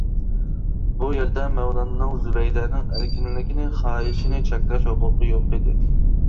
بۇ يەردە مەۋلاننىڭ زۇبەيدەنىڭ ئەركىنلىكىنى، خاھىشىنى چەكلەش ھوقۇقى يوقىدى.